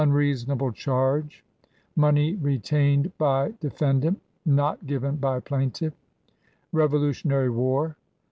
Unreasonable charge. Money retained by defendant— not given by plaintiff. Revolutionary War.